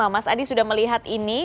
mas adi sudah melihat ini